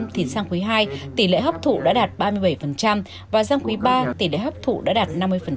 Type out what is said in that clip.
thì sang quý ii tỷ lệ hấp thụ đã đạt ba mươi bảy và sang quý ba tỷ lệ hấp thụ đã đạt năm mươi